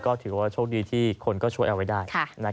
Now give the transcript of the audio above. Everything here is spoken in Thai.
ก็ถือว่าโชคดีที่คนก็ช่วยเอาไว้ได้